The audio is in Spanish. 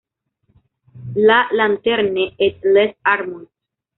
La Lanterne-et-les-Armonts